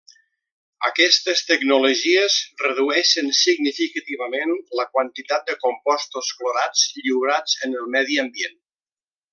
Aquestes tecnologies redueixen significativament la quantitat de compostos clorats lliurats en el medi ambient.